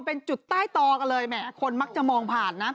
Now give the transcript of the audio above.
เป็นจุดใต้ต่อกันเลยแหมคนมักจะมองผ่านนะ